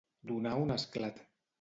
Donar un esclat.